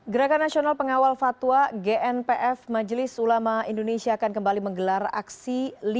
gerakan nasional pengawal fatwa gnpf majelis ulama indonesia akan kembali menggelar aksi